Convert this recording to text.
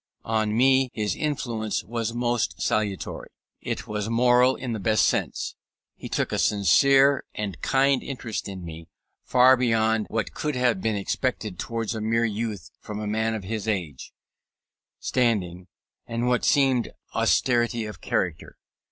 On me his influence was most salutary. It was moral in the best sense. He took a sincere and kind interest in me, far beyond what could have been expected towards a mere youth from a man of his age, standing, and what seemed austerity of character.